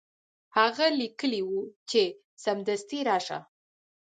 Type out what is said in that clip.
هغه لیکلي وو چې سمدستي راشه.